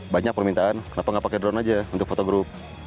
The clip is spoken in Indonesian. banyak permintaan kenapa nggak pakai drone aja untuk fotogrup